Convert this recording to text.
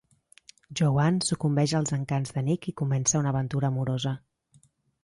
Jo Ann sucumbeix als encants de Nick i comença una aventura amorosa.